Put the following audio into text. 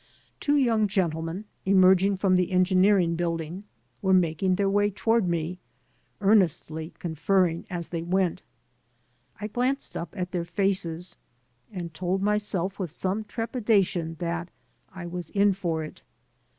Two young gentlemen, emerging from the Engineering Building, were making their way toward me, earnestly conferring as they went. I glanced up at their faces, and told myself with some trepidation that I was in for it.